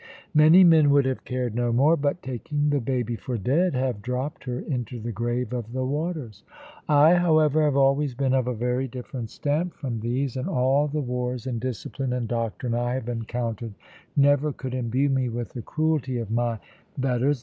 Many men would have cared no more, but, taking the baby for dead, have dropped her into the grave of the waters. I, however, have always been of a very different stamp from these; and all the wars, and discipline, and doctrine I have encountered, never could imbue me with the cruelty of my betters.